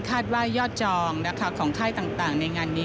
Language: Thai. คาดว่ายอดจองของค่ายต่างในงานนี้